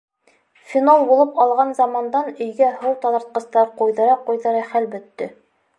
— Фенол булып алған замандан өйгә һыу таҙартҡыстар ҡуйҙыра-ҡуйҙыра хәл бөттө.